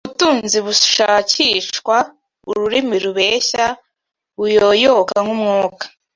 Ubutunzi bushakishwa ururimi rubeshya, buyoyoka nk’umwuka